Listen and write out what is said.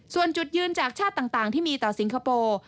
ส่วนจุดยืนจากชาติต่างที่มีต่อสิงคโปร์